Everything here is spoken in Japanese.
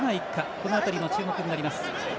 この辺りも注目になります。